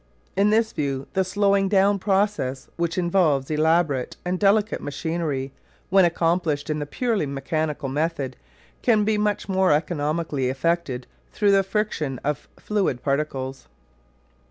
In this view the slowing down process, which involves elaborate and delicate machinery when accomplished in the purely mechanical method, can be much more economically effected through the friction of fluid particles.